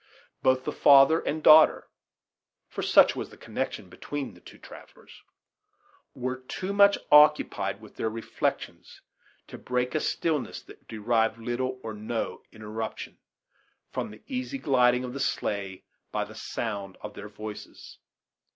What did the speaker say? Both the father and daughter (for such was the connection between the two travellers) were too much occupied with their reflections to break a stillness that derived little or no interruption from the easy gliding of the sleigh by the sound of their voices.